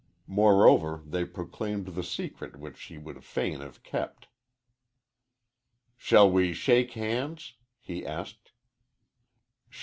Moreover, they proclaimed the secret which she would fain have kept. "Shall we shake hands?" he asked.